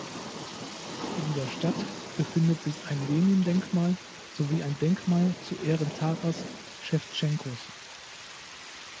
In der Stadt befindet sich ein Lenindenkmal sowie ein Denkmal zu Ehren Taras Schewtschenkos.